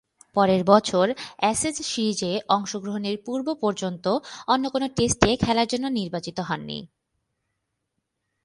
পরের বছর অ্যাশেজ সিরিজে অংশগ্রহণের পূর্ব-পর্যন্ত অন্য কোন টেস্টে খেলার জন্য নির্বাচিত হননি।